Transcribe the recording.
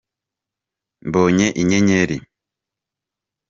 mbonye inyenyeri.